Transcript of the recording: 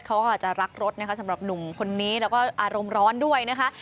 เขาก็อาจจะรักรถนะคะสำหรับหนุ่มคนนี้แล้วก็อารมณ์ร้อนด้วยนะคะ